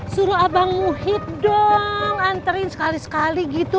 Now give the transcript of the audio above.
suruh abang muhyiddong anterin sekali sekali gitu